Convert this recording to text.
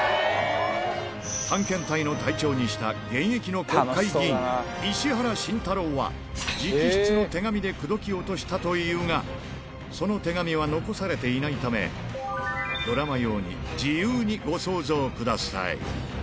探検隊の隊長にした現役の国会議員、石原慎太郎は、直筆の手紙で口説き落としたというが、その手紙は残されていないため、ドラマ用に自由にご想像ください。